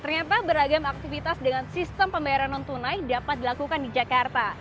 ternyata beragam aktivitas dengan sistem pembayaran non tunai dapat dilakukan di jakarta